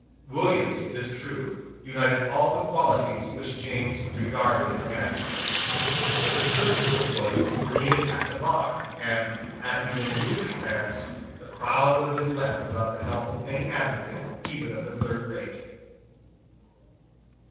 Williams, it is true, united all the qualities which James required in a magistrate. But the services of Williams were needed at the bar; and, had he been moved thence, the crown would have been left without the help of any advocate even of the third rate.